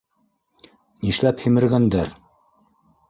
—Нишләп һимергәндәр?